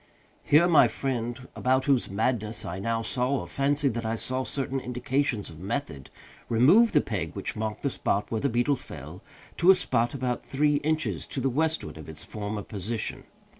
Here my friend, about whose madness I now saw, or fancied that I saw, certain indications of method, removed the peg which marked the spot where the beetle fell, to a spot about three inches to the westward of its former position.